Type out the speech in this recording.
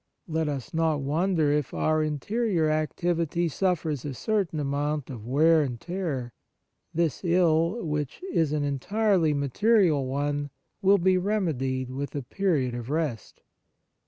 Let us not wonder if our interior activity suffers a certain amount of wear and tear ; this ill, which is an entirely material one, will be remedied with a period of rest.